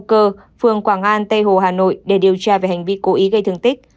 cơ phường quảng an tây hồ hà nội để điều tra về hành vi cố ý gây thương tích